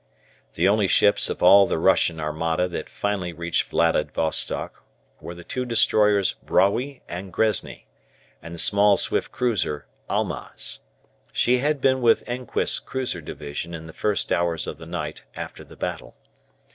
The only ships of all the Russian armada that finally reached Vladivostock were the two destroyers "Brawy" and "Gresny," and the small swift cruiser "Almaz." She had been with Enquist's cruiser division in the first hours of the night after the battle.